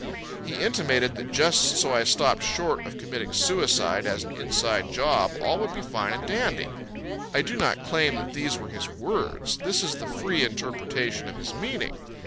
He intimated that just so I stopped short of committing suicide as an inside job all would be fine and dandy. I do not claim that these were his words; this is the free interpretation of his meaning.